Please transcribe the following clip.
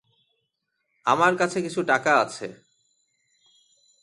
আমার কাছে কিছু টাকা আছে।